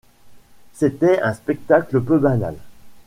C'était un spectacle peu banal.